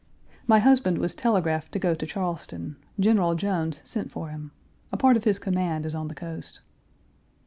My husband was telegraphed to go to Charleston. General Jones sent for him. A part of his command is on the coast.